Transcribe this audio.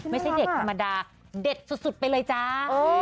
ไม่ใช่เด็กธรรมดาเด็ดสุดไปเลยจ้า